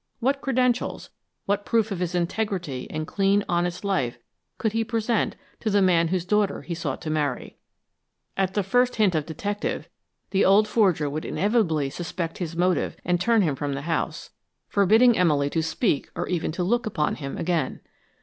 What credentials, what proof of his integrity and clean, honest life could he present to the man whose daughter he sought to marry? At the first hint of "detective" the old forger would inevitably suspect his motive and turn him from the house, forbidding Emily to speak to or even look upon him again.